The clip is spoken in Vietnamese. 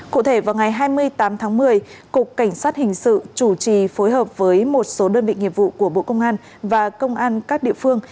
cụ thể vào ngày hai mươi tám tháng một mươi cục cảnh sát hình sự chủ trì phối hợp với một số đơn vị nghiệp vụ của bộ công an và công an các địa phương